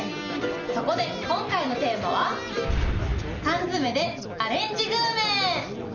そこで、今回のテーマは缶詰でアレンジグルメ。